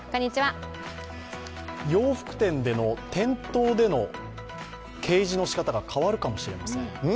洋服店での店頭での掲示の仕方が変わるかもしれません。